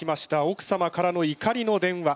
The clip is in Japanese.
奥様からの怒りの電話！